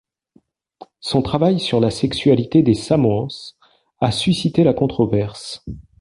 Son travail sur la sexualité des Samoans a suscité la controverse.